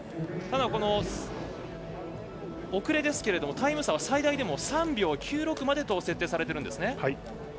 ただ、遅れですけどタイム差は最大でも３秒９６までと設定されているんですね。